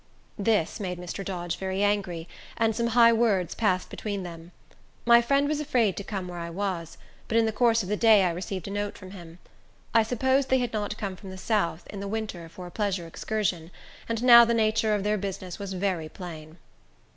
This made Mr. Dodge very angry, and some high words passed between them. My friend was afraid to come where I was; but in the course of the day I received a note from him. I supposed they had not come from the south, in the winter, for a pleasure excursion; and now the nature of their business was very plain.